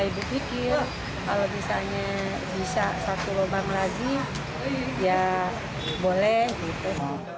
ibu pikir kalau misalnya bisa satu lubang lagi ya boleh gitu